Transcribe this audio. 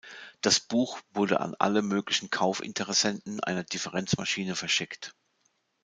Das Buch wurde an alle möglichen Kauf-Interessenten einer Differenzmaschine verschickt.